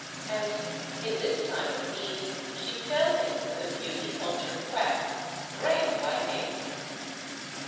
And, in this time of need, she fell in with a beauty culture quack, Graham by name.